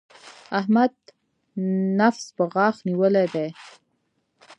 احمد نفس په غاښ نيولی دی.